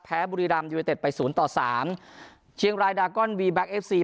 บุรีรัมยูเนเต็ดไปศูนย์ต่อสามเชียงรายดากอนวีแก๊เอฟซี